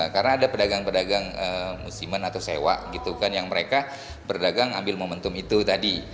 karena ada pedagang pedagang musliman atau sewa gitu kan yang mereka berdagang ambil momentum itu tadi